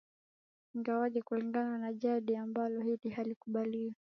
Ingawaje Kulingana na jadi jambo hili halikubaliwi